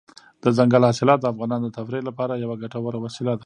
دځنګل حاصلات د افغانانو د تفریح لپاره یوه ګټوره وسیله ده.